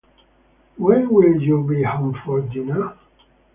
When will you be home for dinner?